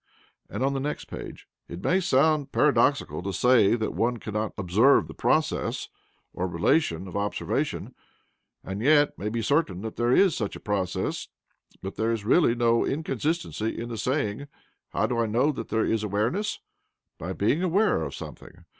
And on the next page: "It may sound paradoxical to say that one cannot observe the process (or relation) of observation, and yet may be certain that there is such a process: but there is really no inconsistency in the saying. How do I know that there is awareness? By being aware of something.